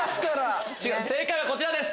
正解はこちらです。